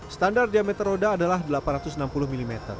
standar diameter roda adalah delapan ratus enam puluh mm